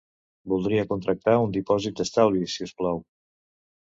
Voldria contractar un dipòsit d'estalvis, si us plau.